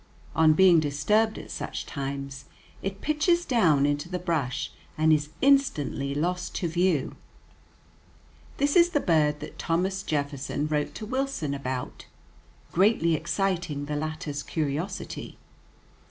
On being disturbed at such times, it pitches down into the brush and is instantly lost to view. [Illustration: CHEWINK Upper, male; lower, female] This is the bird that Thomas Jefferson wrote to Wilson about, greatly exciting the latter's curiosity.